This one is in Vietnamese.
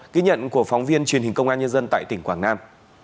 ghi nhận của phóng viên truyền hình công an nhân dân tại tỉnh quảng nam